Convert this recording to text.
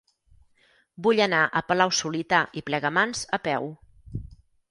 Vull anar a Palau-solità i Plegamans a peu.